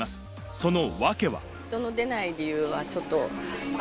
その訳は。